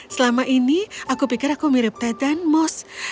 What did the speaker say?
selama ini aku pikir aku mirip ted dan moose